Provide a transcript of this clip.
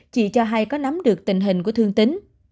chỉ cho hay có nắm được tình hình của thương tín